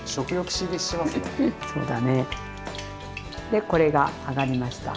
でこれがあがりました。